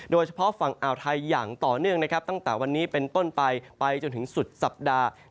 โดยเฉพาะฝั่งอ่าวไทยอย่างต่อเนื่องนะครับตั้งแต่วันนี้เป็นต้นไปไปจนถึงสุดสัปดาห์